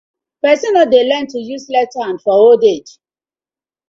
Person no dey learn to use left hand for old age: